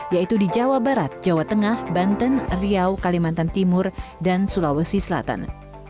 yaitu di jawa barat jawa tengah banten riau kalimantan timur dan sulawesi selatan